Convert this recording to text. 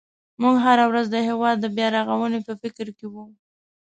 موږ هره ورځ د هېواد د بیا رغونې په فکر کې وو.